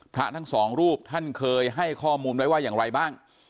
พระทั้งสองรูปท่านเคยให้ข้อมูลไว้ว่าอย่างไรบ้าง